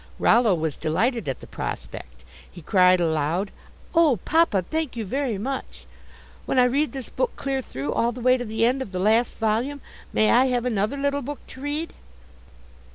Rollo was delighted at the prospect. He cried aloud: "Oh, papa! thank you very much. When I read this book clear through, all the way to the end of the last volume, may I have another little book to read?"